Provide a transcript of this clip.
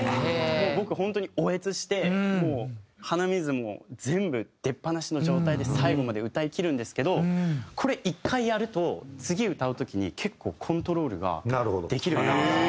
もう僕本当に嗚咽してもう鼻水も全部出っ放しの状態で最後まで歌いきるんですけどこれ１回やると次歌う時に結構コントロールができるようになるんですよ。